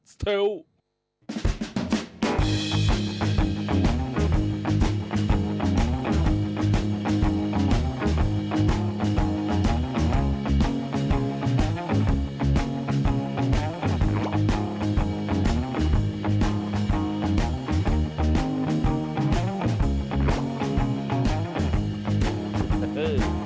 สนับสนุน